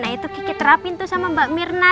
nah itu kiki terapin tuh sama mbak mirna